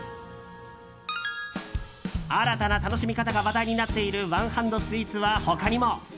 新たな楽しみ方が話題になっているワンハンドスイーツは他にも。